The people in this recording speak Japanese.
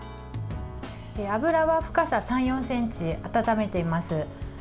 油は深さ３４ｃｍ温めています。